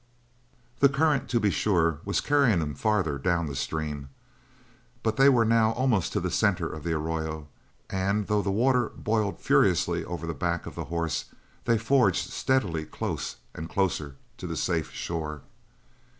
The current, to be sure, was carrying them farther down the stream, but they were now almost to the centre of the arroyo and, though the water boiled furiously over the back of the horse, they forged steadily close and closer to the safe shore.